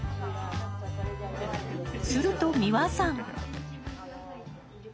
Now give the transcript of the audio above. すると三和さん。